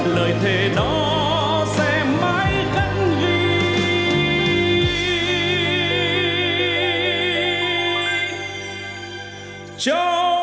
lời thề đó sẽ mãi khẳng dị